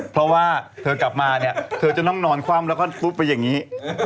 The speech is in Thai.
เพราะว่าเธอกลับมาจะนอนคว่ำแล้วก็ปุ๊บไปอย่างนี้